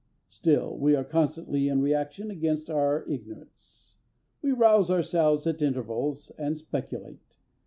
Still we are constantly in reaction against our ignorance. We rouse ourselves at intervals and speculate.